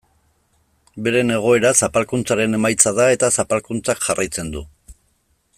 Beren egoera zapalkuntzaren emaitza da eta zapalkuntzak jarraitzen du.